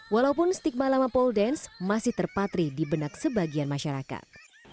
walaupun stigma lama pole dance masih terpatri di benak sebagian masyarakat